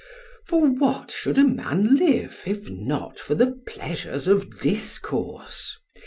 For what should a man live if not for the pleasures of discourse?